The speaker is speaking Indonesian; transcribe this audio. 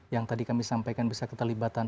yang tadi kami sampaikan bisa keterlibatan